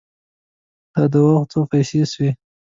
د دوا څو پیسې سوې؟